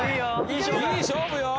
いい勝負よ！